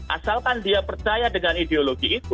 asalkan dia percaya dengan ideologi itu